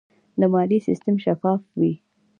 د مالیې سیستم شفاف وي.